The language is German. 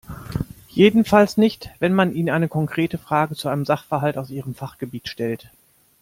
Jedenfalls nicht, wenn man ihnen eine konkrete Frage zu einem Sachverhalt aus ihrem Fachgebiet stellt.